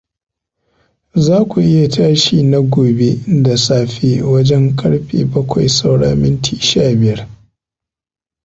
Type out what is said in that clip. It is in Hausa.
Za ku iya tashi na gobe da safe wajen ƙarfe bakwai saura minti shabiyar?